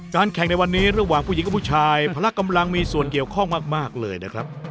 แข่งในวันนี้ระหว่างผู้หญิงกับผู้ชายพละกำลังมีส่วนเกี่ยวข้องมากเลยนะครับ